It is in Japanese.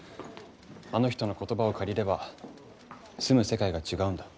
あの人の言葉を借りれば住む世界が違うんだ。